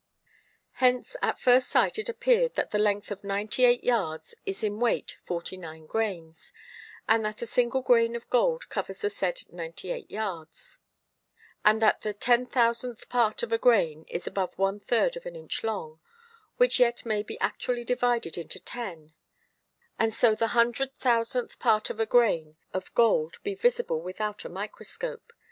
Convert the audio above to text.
Hence at first sight it appear'd, that the length of 98 Yards is in weight 49 Grains, and that a single Grain of Gold covers the said 98 Yards, and that the 10000th part of a Grain is above ⅓ of an Inch long; which yet may be actually divided into 10, and so the 100000th part of a Grain of Gold be visible without a Microscope.